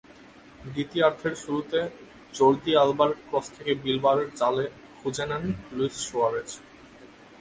দ্বিতীয়ার্ধের শুরুতে জর্দি আলবার ক্রস থেকে বিলবাওয়ের জাল খুঁজে নেন লুইস সুয়ারেজ।